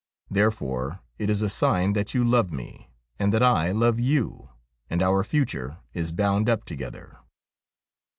' Therefore it is a sign that you love me, and that I love you, and our future is bound up together.'